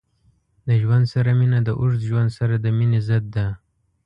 د ژوند سره مینه د اوږد ژوند سره د مینې ضد ده.